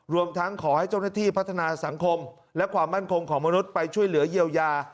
รวมทั้งขอให้เจ้าหน้าที่พัฒนาสังคมและความมั่นคงของมนุษย์ไปช่วยเหลือเยียวยา